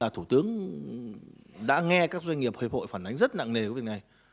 thủ tướng đã nghe các doanh nghiệp hiệp hội phản ánh rất nặng nề với việc này